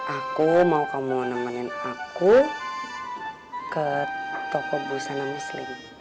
aku mau kamu nemenin aku ke toko busana muslim